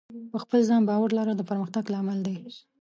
په خپل ځان باور لرل د پرمختګ لامل دی.